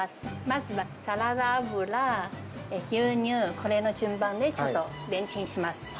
まずはサラダ油、牛乳、これの順番でちょっとレンチンします。